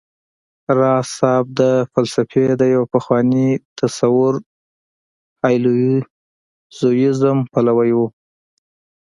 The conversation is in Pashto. راز صيب د فلسفې د يو پخواني تصور هايلو زوييزم پلوی و